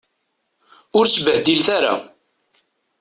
Ur sbehdil ara.